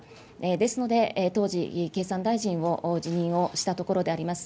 ですので、当時、経産大臣を辞任をしたところであります。